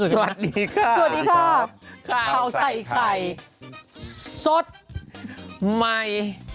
สวัสดีค่ะขาวใส่ไก่สดใหม่